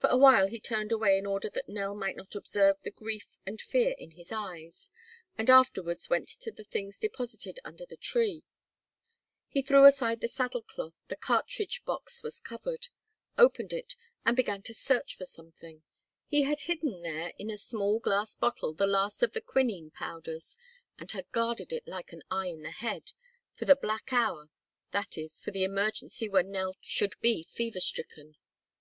For a while he turned away in order that Nell might not observe the grief and fear in his eyes, and afterwards went to the things deposited under the tree. He threw aside the saddle cloth with which the cartridge box was covered, opened it, and began to search for something. He had hidden there in a small glass bottle the last of the quinine powders and had guarded it like an "eye in the head" for "the black hour," that is, for the emergency when Nell should be fever stricken.